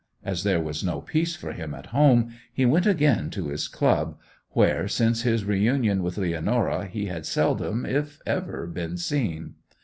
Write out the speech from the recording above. As there was no peace for him at home, he went again to his club, where, since his reunion with Leonora, he had seldom if ever been seen.